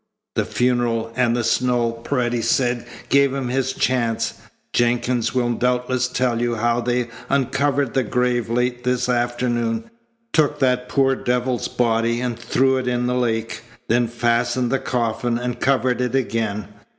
"The funeral and the snow," Paredes said, "gave him his chance. Jenkins will doubtless tell you how they uncovered the grave late this afternoon, took that poor devil's body, and threw it in the lake, then fastened the coffin and covered it again.